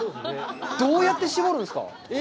どうやって搾るんですか？